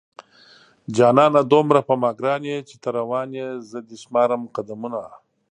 جانانه دومره په ما گران يې چې ته روان يې زه دې شمارم قدمونه